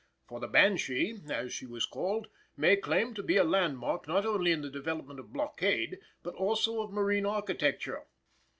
For the Banshee, as she was called, may claim to be a landmark not only in the development of blockade but also of marine architecture.